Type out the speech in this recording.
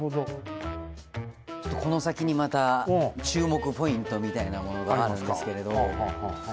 ちょっとこのさきにまたちゅうもくポイントみたいなものがあるんですけれど。